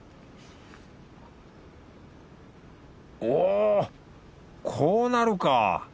おこうなるか！